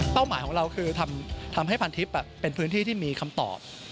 หมายของเราคือทำให้พันทิพย์เป็นพื้นที่ที่มีคำตอบ